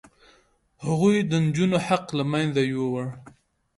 هغوی د نجونو حق له منځه یووړ.